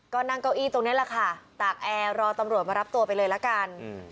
ก็นั่งเก้าอี้ตรงนี้แหละค่ะตากแอร์รอตำรวจมารับตัวไปเลยละกัน